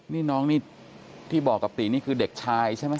นี่น้องนี่ที่บอกกับตินี่คือเด็กชายใช่ไหม